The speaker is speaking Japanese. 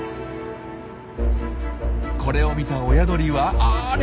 これを見た親鳥はあれ？